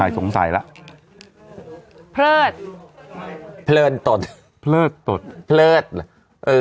ใครสงสัยล่ะเพลิดเพลินตดเพลิดตดเพลิดเหรอ